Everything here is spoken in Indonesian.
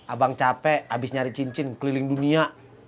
abang capek habis nyari cincin keliling dunia